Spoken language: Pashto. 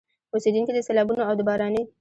اوسېدونکي د سيلابونو او د باراني